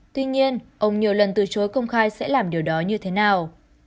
tuy nhiên ông nhiều lần từ chối công khai sẽ làm điều đó như thế nào